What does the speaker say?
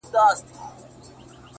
په تدبيرونو کي دې هر وختې تقدير ورک دی;